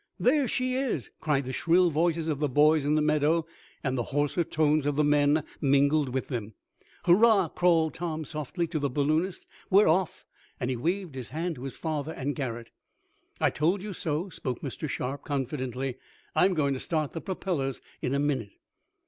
"There she is!" cried the shrill voices of the boys in the meadow, and the hoarser tones of the men mingled with them. "Hurrah!" called Tom softly to the balloonist. "We're off!" and he waved his hand to his father and Garret. "I told you so," spoke Mr. Sharp confidently. "I'm going to start the propellers in a minute."